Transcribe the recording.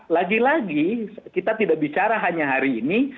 lagi lagi kita tidak bicara hanya hari ini